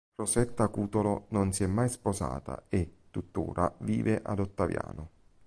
Rosetta Cutolo non si è mai sposata e, tuttora, vive ad Ottaviano.